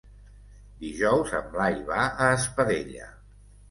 Dijous en Blai va a Espadella.